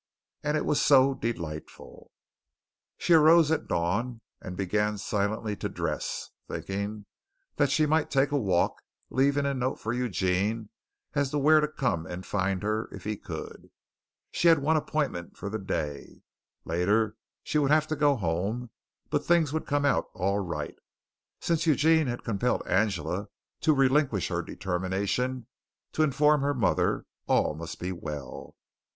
And it was so delightful. She arose at dawn and began silently to dress, thinking that she might take a walk, leaving a note for Eugene as to where to come and find her if he could. She had one appointment for the day. Later she would have to go home, but things would come out all right. Since Eugene had compelled Angela to relinquish her determination to inform her mother, all must be well.